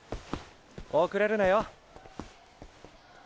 遅れるなよ。